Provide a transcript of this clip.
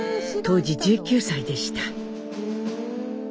当時１９歳でした。